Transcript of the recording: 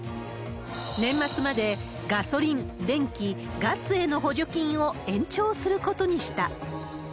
年末まで、ガソリン、電気、ガスへの補助金を延長することにした。